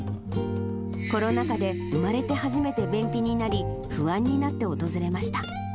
コロナ禍で生まれて初めて便秘になり、不安になって訪れました。